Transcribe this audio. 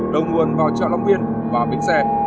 đồng nguồn vào chợ long biên và bên xe